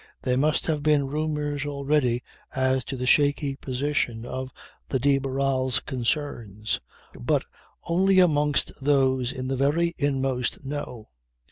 There must have been rumours already as to the shaky position of the de Barral's concerns; but only amongst those in the very inmost know.